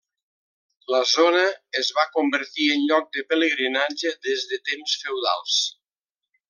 La zona es va convertir en lloc de pelegrinatge des de temps feudals.